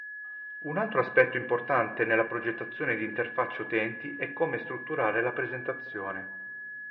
Un altro aspetto importante nella progettazione di interfacce utenti è come strutturare la presentazione.